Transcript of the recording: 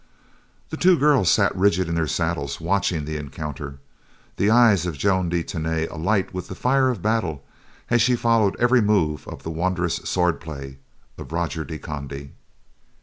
The two girls sat rigid in their saddles watching the encounter, the eyes of Joan de Tany alight with the fire of battle as she followed every move of the wondrous swordplay of Roger de Conde.